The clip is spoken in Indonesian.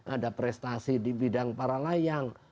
ada prestasi di bidang para layang